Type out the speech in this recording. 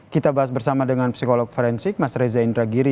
kita bahas bersama dengan psikolog forensik mas reza indragiri